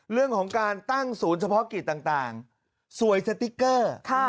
เรื่องของการตั้งศูนย์เฉพาะกิจต่างสวยสติ๊กเกอร์